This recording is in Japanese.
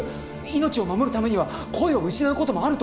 命を守るためには声を失う事もあると。